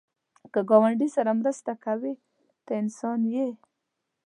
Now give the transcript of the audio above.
که ګاونډي سره مرسته کوې، ته انسان یې